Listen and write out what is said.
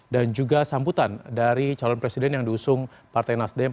dan juga sambutan dari calon presiden yang diusung partai nasdem